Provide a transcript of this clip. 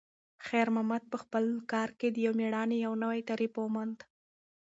خیر محمد په خپل کار کې د میړانې یو نوی تعریف وموند.